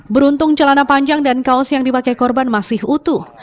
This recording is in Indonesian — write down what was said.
beruntung celana panjang dan kaos yang dipakai korban masih utuh